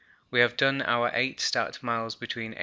We have done our 8 stat. miles between 8.